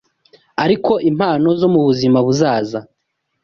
Ariko impano zo mu buzima buzaza